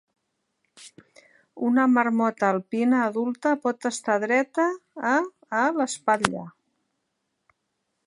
Una marmota alpina adulta pot estar dreta a (...) a l'espatlla.